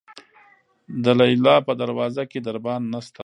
د لیلې په دروازه کې دربان نشته.